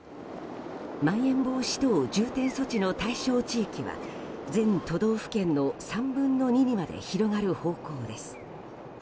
まん延防止等重点措置の対象地域は全都道府県の３分の２にまで広がる方向です。